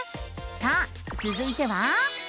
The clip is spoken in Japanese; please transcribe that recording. さあつづいては。